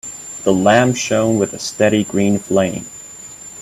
The lamp shone with a steady green flame.